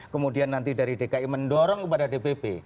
kemudian nanti dari dki mendorong kepada dpp